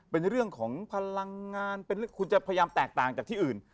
เป็นเรื่องของพลังงานคุณจะพยายามแตกต่างจากที่อื่น